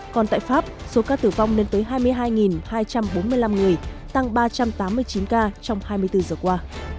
còn tại pháp số ca tử vong lên tới hai mươi hai hai trăm bốn mươi năm người tăng ba trăm tám mươi chín ca trong hai mươi bốn giờ qua